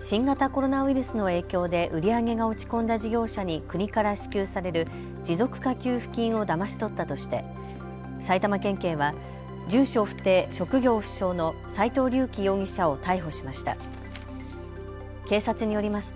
新型コロナウイルスの影響で売り上げが落ち込んだ事業者に国から支給される持続化給付金をだまし取ったとして埼玉県警は住所不定、職業不詳の齊藤龍樹容疑者を逮捕しました。